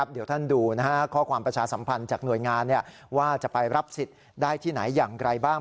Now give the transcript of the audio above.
เดี๋ยวท่านดูข้อความประชาสัมพันธ์จากหน่วยงานว่าจะไปรับสิทธิ์ได้ที่ไหนอย่างไรบ้าง